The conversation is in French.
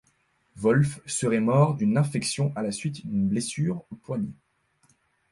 Wolfe serait mort d'une infection à la suite d'une blessure au poignet.